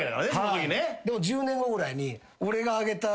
１０年後ぐらいに。